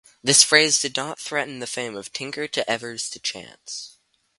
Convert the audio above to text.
This phrase did not threaten the fame of "Tinker to Evers to Chance".